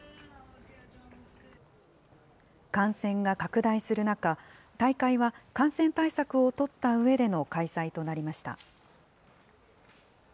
感染が拡大する中、大会は感染対策を取ったうえでの開催となりました。